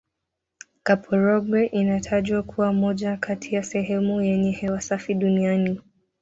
kaporogwe inatajwa kuwa moja kati ya sehemu yenye hewa safi duniani